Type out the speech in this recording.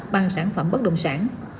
bằng sản phẩm bất đồng sản